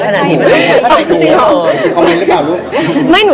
นี่คุณโลกขนาดหนู